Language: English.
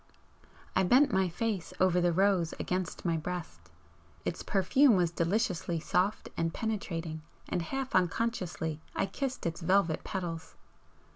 '" I bent my face over the rose against my breast, its perfume was deliciously soft and penetrating, and half unconsciously I kissed its velvet petals.